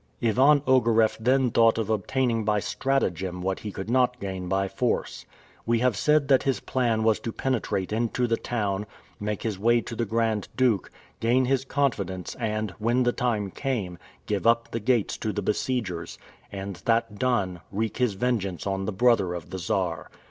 Ivan Ogareff then thought of obtaining by stratagem what he could not gain by force. We have said that his plan was to penetrate into the town, make his way to the Grand Duke, gain his confidence, and, when the time came, give up the gates to the besiegers; and, that done, wreak his vengeance on the brother of the Czar.